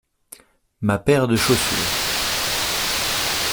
Ma paire de chaussures.